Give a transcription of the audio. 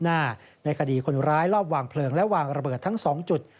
หน้าในคดีคนร้ายรอบวางเพลิงและวางระเบิดทั้ง๒จุด